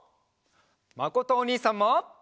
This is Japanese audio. まことおにいさんも！